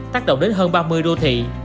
tác động đến hơn ba mươi đô thị